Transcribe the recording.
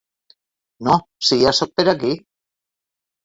No, si ja sóc per aquí.